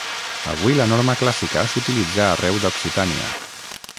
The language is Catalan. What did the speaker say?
Avui la norma clàssica s'utilitza arreu d'Occitània.